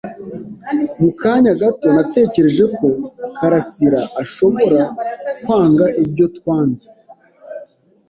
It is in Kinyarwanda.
Mu kanya gato, natekereje ko Karasiraashobora kwanga ibyo twatanze.